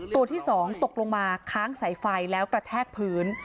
ตัวที่๒ตกลงมาค้างสายไฟแล้วกระแทกพื้น